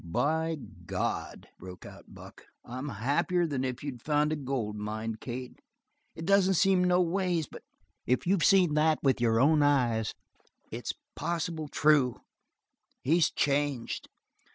"By God," broke out Buck, "I'm happier than if you'd found a gold mine, Kate. It don't seem no ways but if you seen that with your own eyes, it's possible true. He's changed."